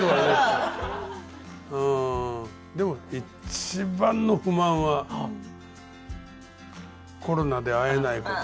でも一番の不満はコロナで会えないこと。